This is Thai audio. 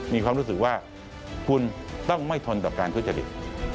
มีความรู้สึกว่าคุณต้องไม่ทนต่อการทุจริต